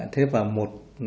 thế và một